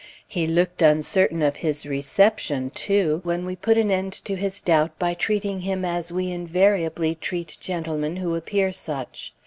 He looked uncertain of his reception, too, when we put an end to his doubt by treating him as we invariably treat gentlemen who appear such.